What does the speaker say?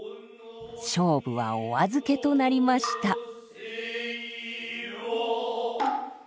勝負はお預けとなりました。